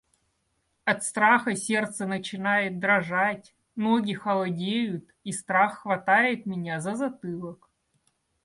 От страха сердце начинает дрожать, ноги холодеют и страх хватает меня за затылок.